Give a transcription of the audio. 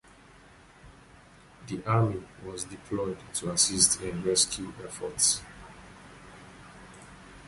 The army was deployed to assist in rescue efforts.